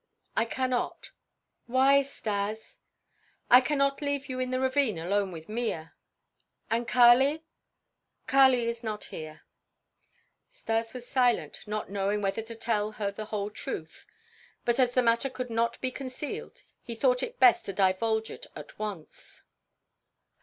"I cannot." "Why, Stas?" "I cannot leave you in the ravine alone with Mea." "And Kali?" "Kali is not here." Stas was silent, not knowing whether to tell her the whole truth; but as the matter could not be concealed he thought it best to divulge it at once.